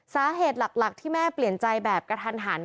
สาเหตุหลักที่แม่เปลี่ยนใจแบบกระทันหัน